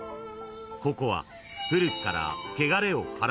［ここは古くから］